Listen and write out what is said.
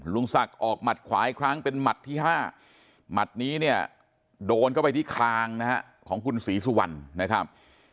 ลุงศักดิ์ออกหมัดขวาอีกครั้งเป็นหมัดที่๕หมัดนี้เนี่ยโดนเข้าไปที่คางนะฮะของคุณศรีสุวรรณนะครับ